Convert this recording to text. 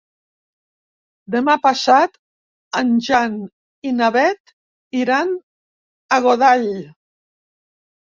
Demà passat en Jan i na Beth iran a Godall.